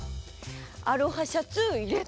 アロハシャツいれた。